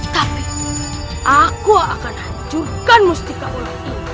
tapi aku akan hancurkan mustika ular ini